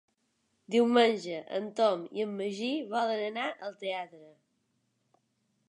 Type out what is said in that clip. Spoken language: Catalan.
Diumenge en Tom i en Magí volen anar al teatre.